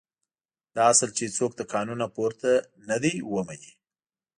دا اصل چې هېڅوک له قانونه پورته نه دی ومني.